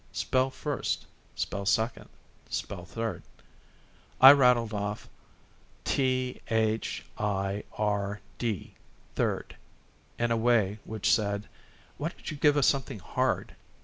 "Spell first." "Spell second." "Spell third." I rattled off: "T h i r d, third," in a way which said: "Why don't you give us something hard?"